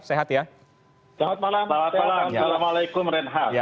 selamat malam assalamualaikum renha